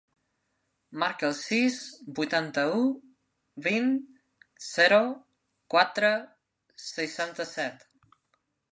Marca el sis, vuitanta-u, vint, zero, quatre, seixanta-set.